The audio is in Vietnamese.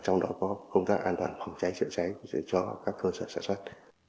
trong đó có công tác an toàn phòng cháy chữa cháy cho các cơ sở sản xuất